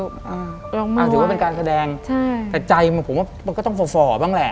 ยกมือไว้ใช่เอาถือว่าเป็นการแสดงแต่ใจผมก็ต้องฝ่อบ้างแหละ